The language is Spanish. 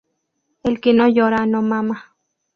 El que no llora, no mama